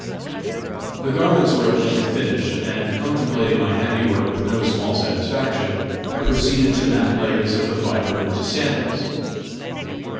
The garments were at length finished, and, contemplating my handiwork with no small satisfaction, I proceeded to mat layers of the fibre into sandals.